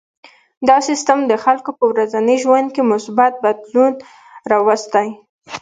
دا سیستم د خلکو په ورځني ژوند کې مثبت بدلون راوستی.